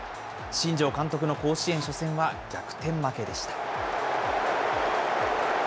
新庄監督の甲子園初戦は逆転負けでした。